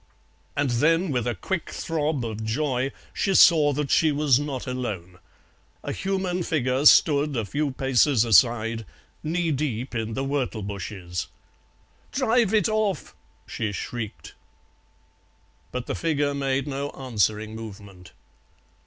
And then with a quick throb of joy she saw that she was not alone; a human figure stood a few paces aside, knee deep in the whortle bushes. "Drive it off!" she shrieked. But the figure made no answering movement.